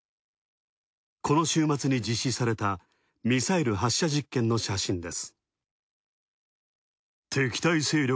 この週末に実施されたミサイル発射実験の写真です。